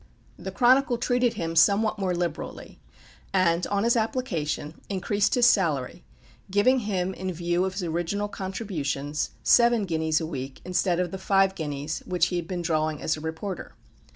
The Chronicle treated him somewhat more liberally, and, on his application, increased his salary, giving him, in view of his original contributions, seven guineas a week, instead of the five guineas which he had been drawing as a reporter.